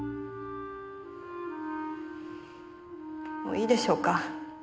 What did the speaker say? もういいでしょうか。